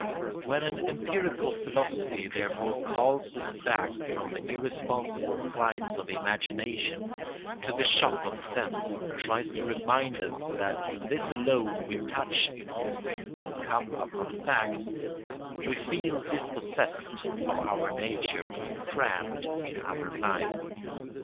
When an empirical philosophy, therefore, calls us back from the irresponsible flights of imagination to the shock of sense and tries to remind us that in this alone we touch existence and come upon fact, we feel dispossessed of our nature and cramped in our life.